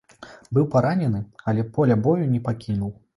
Быў паранены, але поля бою не пакінуў.